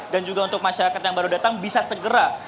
dan juga untuk masyarakat yang baru datang bisa segera untuk